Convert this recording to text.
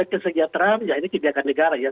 kesejahteraan ini kebiakan negara